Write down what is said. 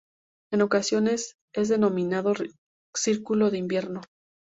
En ocasiones, es denominado círculo de invierno.